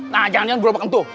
nah jangan jangan gerobakkan tuh